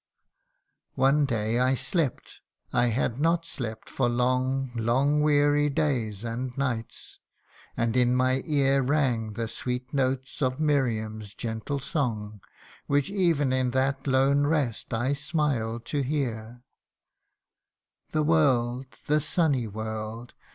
" One day I slept I had not slept for long, Long weary days and nights ; and in my ear Rang the sweet notes of Miriam's gentle song, Which ev'n in that lone rest I smiled to hear : 1 The world the sunny world